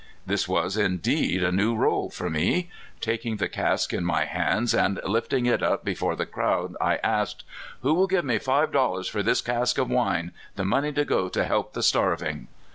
This was indeed a new ivle to me. Taking the cask in my hands, and lifting it up before the crowd, I asked — "Who will give five dollars for this cask of wine, the money to go to help the starving?"